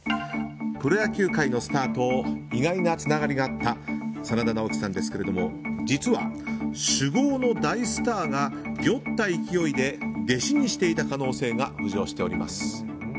プロ野球界のスターと意外なつながりがあった真田ナオキさんですが実は酒豪の大スターが酔った勢いで弟子にしていた可能性が浮上しています。